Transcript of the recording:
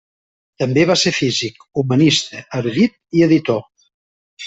També va ser físic, humanista, erudit i editor.